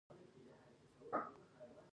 غټ سترخوان داتفاق نښه ده.